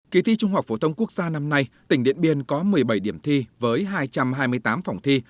kỳ thi trung học phổ thông quốc gia năm nay tỉnh điện biên có một mươi bảy điểm thi với hai trăm hai mươi tám phòng thi